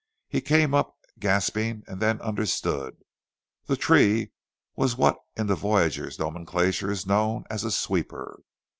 He came up gasping, and then understood. The tree was what in the voyageur's nomenclature is known as a "sweeper."